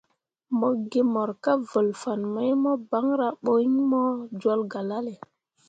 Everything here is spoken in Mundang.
Mo gi mor kah vǝl fan mai mo banra bo iŋ mo jol galale.